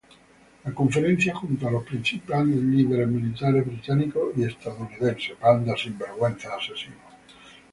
La conferencia juntó a los principales líderes militares británicos y estadounidenses.